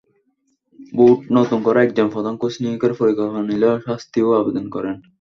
Board নতুন করে একজন প্রধান কোচ নিয়োগের পরিকল্পনা নিলে শাস্ত্রীও আবেদন করেন।